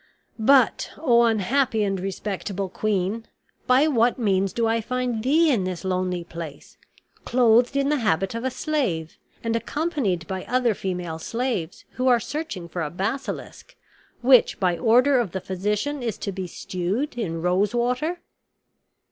"But, O unhappy and respectable queen! by what means do I find thee in this lonely place, clothed in the habit of a slave, and accompanied by other female slaves, who are searching for a basilisk, which, by order of the physician, is to be stewed in rose water?"